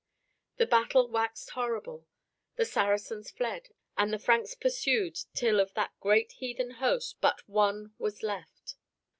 The battle waxed horrible. The Saracens fled, and the Franks pursued till of that great heathen host but one was left.